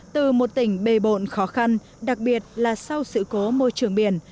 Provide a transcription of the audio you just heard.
từ một tỉnh bề bộn khó khăn đặc biệt là sau sự cố môi trường biển